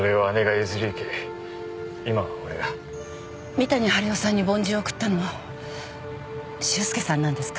三谷治代さんに梵字を送ったのは修介さんなんですか？